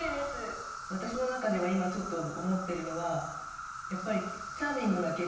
私の中では今ちょっと思ってるのはやっぱり。